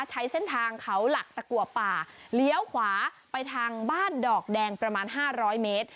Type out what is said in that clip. ใช้เส้นทางเขาหลักตะกัวป่าเลี้ยวขวาไปทางบ้านดอกแดงประมาณ๕๐๐เมตร